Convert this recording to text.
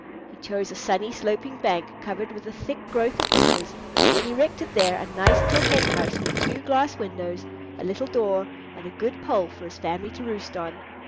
He chose a sunny sloping bank covered with a thick growth of bushes, and erected there a nice little hen house with two glass windows, a little door, and a good pole for his family to roost on.